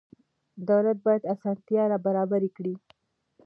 دولت باید اسانتیا برابره کړي.